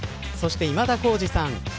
そして、今田耕司さん